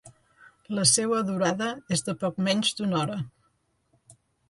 La seua durada és de poc menys d'una hora.